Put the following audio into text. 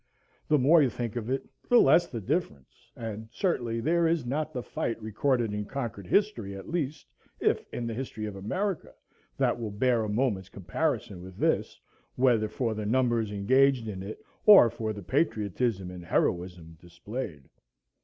The more you think of it, the less the difference. And certainly there is not the fight recorded in Concord history, at least, if in the history of America, that will bear a moment's comparison with this, whether for the numbers engaged in it, or for the patriotism and heroism displayed.